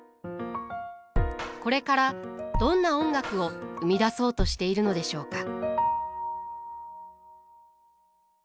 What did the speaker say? これからどんな音楽を生み出そうとしているのでしょうか。